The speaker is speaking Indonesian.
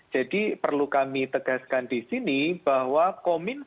jadi perlu kami tegaskan di sini bahwa kominfo bersama bapak presiden